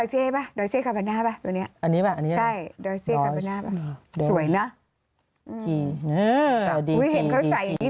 เห็นเขาใส่อย่างนี้